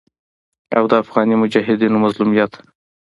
او د افغاني مجاهدينو مظلوميت